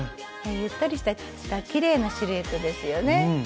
ゆったりしたきれいなシルエットですよね。